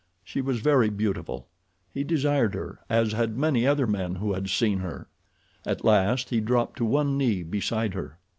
She was very beautiful. He desired her, as had many other men who had seen her. At last he dropped to one knee beside her.